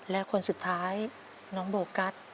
และคนสุดท้ายน้องโบกัส